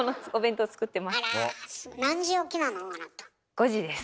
５時です。